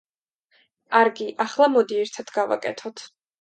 კარგი, ახლა მოდი ერთად გავაკეთოთ.